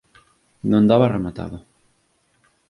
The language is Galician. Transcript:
Non daba rematado